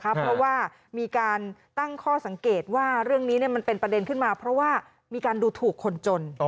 เพราะว่ามีการตั้งข้อสังเกตว่าเรื่องนี้มันเป็นประเด็นขึ้นมาเพราะว่ามีการดูถูกคนจน